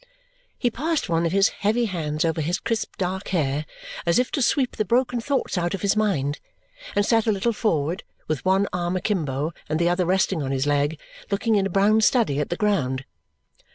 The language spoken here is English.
He passed one of his heavy hands over his crisp dark hair as if to sweep the broken thoughts out of his mind and sat a little forward, with one arm akimbo and the other resting on his leg, looking in a brown study at the ground.